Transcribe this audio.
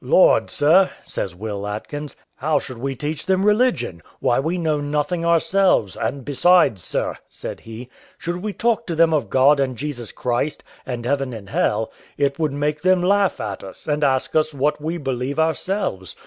"Lord, sir," says Will Atkins, "how should we teach them religion? Why, we know nothing ourselves; and besides, sir," said he, "should we talk to them of God and Jesus Christ, and heaven and hell, it would make them laugh at us, and ask us what we believe ourselves.